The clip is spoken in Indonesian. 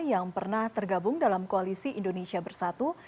yang pernah tergabung dalam koalisi indonesia bersatu